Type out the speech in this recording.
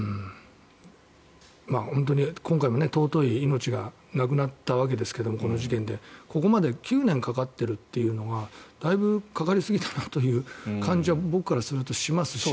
本当に今回も尊い命がなくなったわけですけどもここまで９年かかっているというのがだいぶかかりすぎたなという感じは僕からするとしますし。